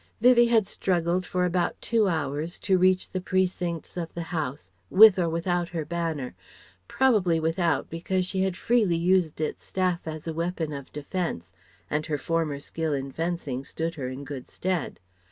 Vivie had struggled for about two hours to reach the precincts of the House, with or without her banner. Probably without, because she had freely used its staff as a weapon of defence, and her former skill in fencing stood her in good stead.